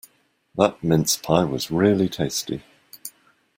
That mince pie was really tasty.